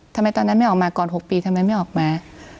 ทำไมตอนนั้นไม่ออกมาก่อน๖ปีทำไมไม่ออกมา